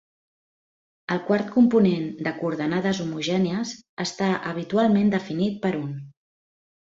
El quart component de coordenades homogènies està habitualment definit per un.